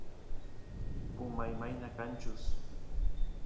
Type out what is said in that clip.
puma imayna kanchus